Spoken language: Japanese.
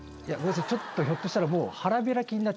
ちょっとひょっとしたらもう。